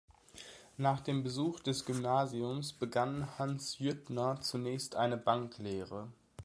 Nach dem Besuch des Gymnasiums begann Hans Jüttner zunächst eine Banklehre.